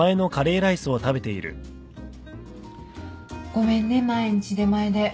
ごめんね毎日出前で。